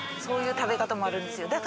そういう食べ方もあるんですよ。